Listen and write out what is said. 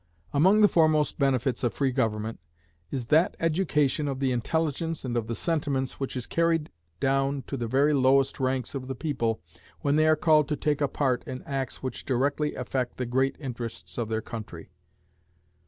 Among the foremost benefits of free government is that education of the intelligence and of the sentiments which is carried down to the very lowest ranks of the people when they are called to take a part in acts which directly affect the great interests of their country.